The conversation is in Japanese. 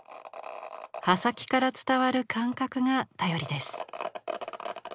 刃先から伝わる感覚が頼りです。